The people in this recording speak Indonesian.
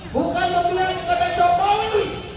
bukan membayar kepada jokowi